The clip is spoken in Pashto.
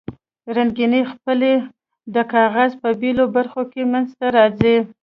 رنګینې خپې د کاغذ په بیلو برخو کې منځ ته راځي.